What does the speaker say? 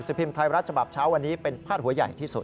พิมพ์ไทยรัฐฉบับเช้าวันนี้เป็นพาดหัวใหญ่ที่สุด